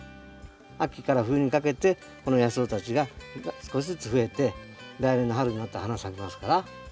秋から冬にかけてこの野草たちが少しずつ増えて来年の春になったら花咲きますから。